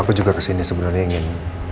aku juga kesini sebenarnya ingin